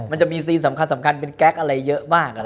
มันจะมีซีนสำคัญเป็นแก๊กอะไรเยอะมาก